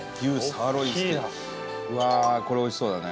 うわあ、これ、おいしそうだね。